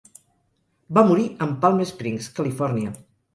Va morir en Palm Springs, Califòrnia.